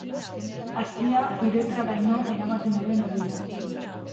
Hazia uretraraino eramaten duen hodia.